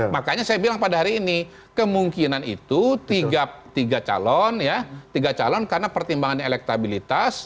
makanya saya bilang pada hari ini kemungkinan itu tiga calon ya tiga calon karena pertimbangan elektabilitas